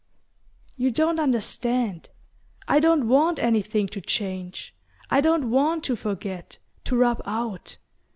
"You don't understand. I don't want anything to change. I don't want to forget to rub out.